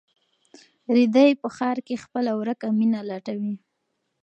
رېدی په ښار کې خپله ورکه مینه لټوي.